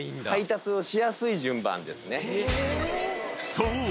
［そう！